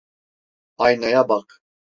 Aynaya bak.